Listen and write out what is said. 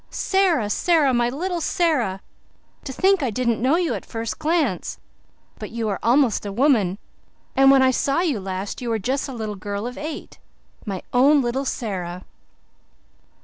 "Sara Sara my little Sara! To think didn't know you at first glance! But you are almost a woman. And when I saw you last you were just a little girl of eight. My own little Sara!"